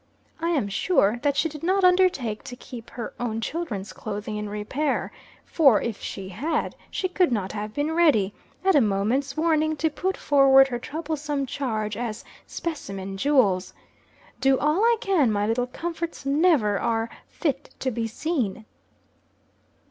I am sure that she did not undertake to keep her own children's clothing in repair; for if she had, she could not have been ready, at a moment's warning, to put forward her troublesome charge as specimen jewels. Do all I can, my little comforts never are "fit to be seen!"